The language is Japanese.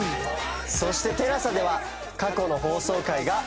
そしてＴＥＬＡＳＡでは過去の放送回が見放題です。